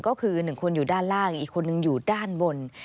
ก็คือ๑คนอยู่ด้านล่างอีกคนนึงอยู่ด้านบน